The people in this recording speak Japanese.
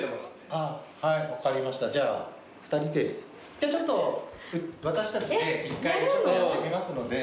じゃあちょっと私たちで１回やってみますので。